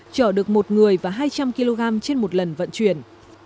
chở được một người và hai trăm linh kg trên một lần vận chuyển